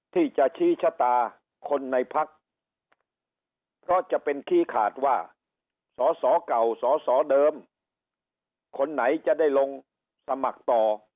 ที่จะชี้ชะตาคนในพักเพราะจะเป็นชี้ขาดว่าสอสอเก่าสอสอเดิมคนไหนจะได้ลงสมัครต่อ